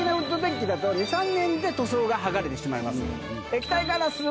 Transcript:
２３年で塗装が剥がれてしまいます。